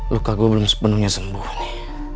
luka gua belum sepenuhnya sembuh ini